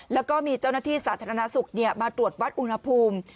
แล้วก็มีเจ้าหน้าที่สาธารณสุขมาตรวจวัดอุณหภูมิ